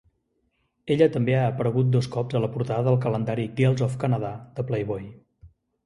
Ella també ha aparegut dos cops a la portada del calendari Girls of Canada de Playboy.